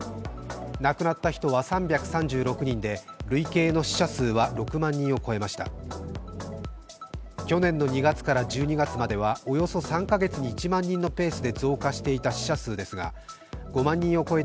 亡くなった人は３３６人で累計の死者数は６万人を超えました去年の２月から１２月まではおよそ３か月で１万人のペースで増加していた死者数ですが５万人を超えた